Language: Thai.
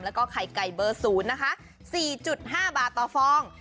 แล้วก็ไข่ไก่เบอร์๐นะคะ๔๕บาทต่อฟอง